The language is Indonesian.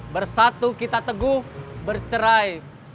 bersatu kita teguh bercerai